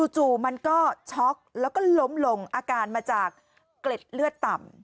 จู่มันก็ช็อกแล้วก็ล้มลงอาการมาจากเกล็ดเลือดต่ำ